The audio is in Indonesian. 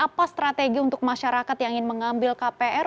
apa strategi untuk masyarakat yang ingin mengambil kpr